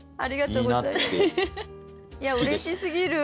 いやうれしすぎる！